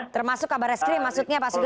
termasuk kabar eskrim maksudnya pak sugeng